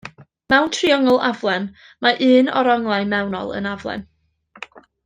Mewn triongl aflem, mae un o'r onglau mewnol yn aflem.